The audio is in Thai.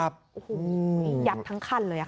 โอ้โฮหยับทั้งคันเลย